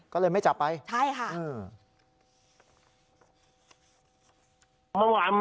ก็เลยไม่จับไปใช่ค่ะ